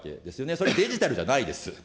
それデジタルじゃないです。